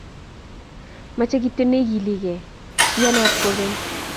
Machi kityo neigiiligei, iyanat kogeny